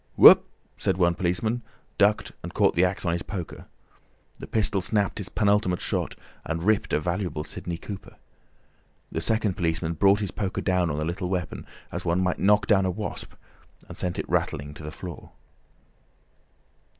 "Whup!" said one policeman, ducked, and caught the axe on his poker. The pistol snapped its penultimate shot and ripped a valuable Sidney Cooper. The second policeman brought his poker down on the little weapon, as one might knock down a wasp, and sent it rattling to the floor.